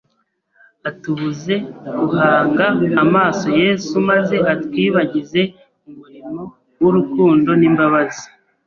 atubuze guhanga amaso Yesu maze atwibagize umurimo w’urukundo n’imbabazi